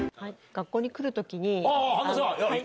学校に来る時に。